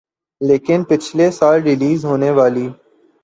لیکن پچھلے سال ریلیز ہونے والی